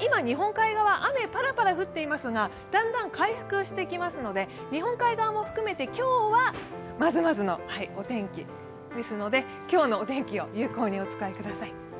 今、日本海側、雨ぱらぱら降っていますが、だんだん回復していきますので日本海側も含めて今日はまずまずのお天気ですので、今日のお天気を有効にお使いください。